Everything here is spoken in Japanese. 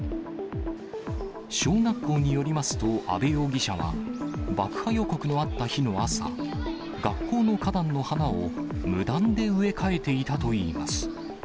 小学校によりますと、阿部容疑者は爆破予告のあった日の朝、学校の花壇の花を無断で植え替えていたといいます。